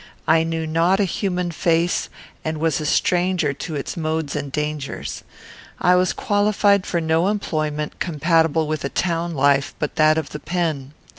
I knew not a human face, and was a stranger to its modes and dangers. I was qualified for no employment, compatible with a town life, but that of the pen.